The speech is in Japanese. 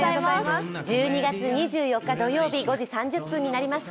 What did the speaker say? １２月２４日土曜日、午前５時３０分になりました。